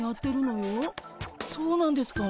そうなんですか。